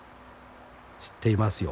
『知っていますよ